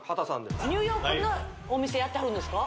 ニューヨークのお店やってはるんですか？